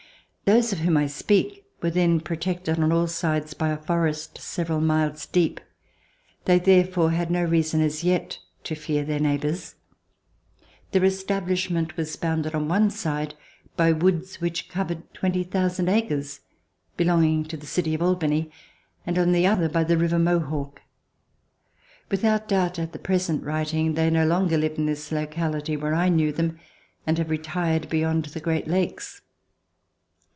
Those of whom I speak were then protected on all sides by a forest several miles deep. They therefore had no reason as yet to fear their neighbors. Their establishment was bounded on one side by woods which covered 20,000 acres, belonging to the city of Albany, and on the other by the river Mohawk. Without doubt, at the present writing, they no longer live in this locality where I knew them, and have retired beyond the Great Lakes.